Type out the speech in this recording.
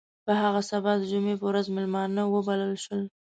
په هغه سبا د جمعې په ورځ میلمانه وبلل شول.